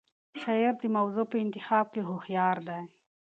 شاعر د موضوع په انتخاب کې هوښیار دی.